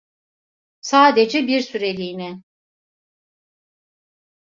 Sadece bir süreliğine.